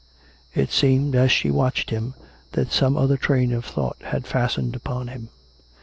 It seemed, as she watched him, that some other train of thought had fastened upon him.